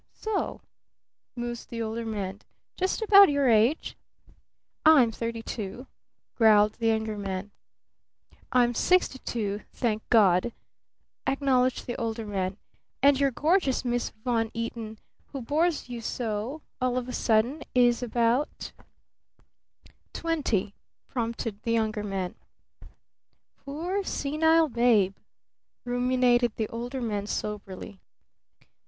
"S o?" mused the Older Man. "Just about your age?" "I'm thirty two," growled the Younger Man. "I'm sixty two, thank God!" acknowledged the Older Man. "And your gorgeous Miss Von Eaton who bores you so all of a sudden is about ?" "Twenty," prompted the Younger Man. "Poor senile babe," ruminated the Older Man soberly.